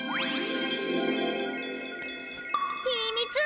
ひみつ！